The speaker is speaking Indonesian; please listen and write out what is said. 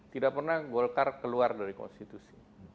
tidak pernah golkar keluar dari konstitusi